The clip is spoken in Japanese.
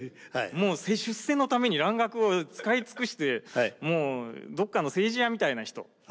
出世のために蘭学を使い尽くしてもうどっかの政治屋みたいな人。